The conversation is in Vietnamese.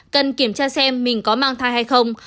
cần kiểm tra xem mình có mang thai hay không